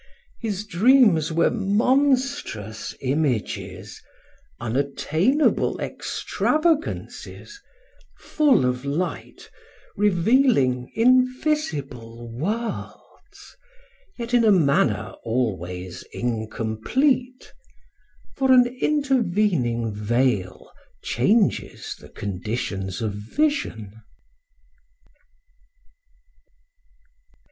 His dreams were monstrous images, unattainable extravagances full of light, revealing invisible worlds, yet in a manner always incomplete, for an intervening veil changes the conditions of vision.